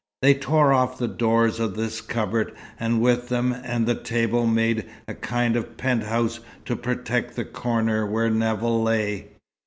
They tore off the doors of this cupboard, and with them and the table made a kind of penthouse to protect the corner where Nevill lay.